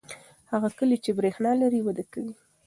هغه کلی چې برېښنا لري وده کوي.